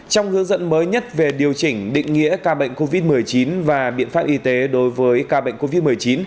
trong hướng dẫn mới nhất về điều chỉnh định nghĩa ca bệnh covid một mươi chín và biện pháp y tế đối với ca bệnh covid một mươi chín